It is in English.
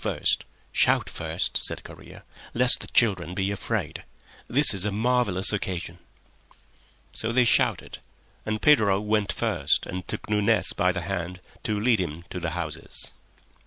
"Shout first," said Correa, "lest the children be afraid. This is a marvellous occasion." So they shouted, and Pedro went first and took Nunez by the hand to lead him to the houses.